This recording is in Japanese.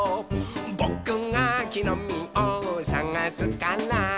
「ぼくがきのみをさがすから」